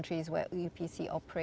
di mana upc beroperasi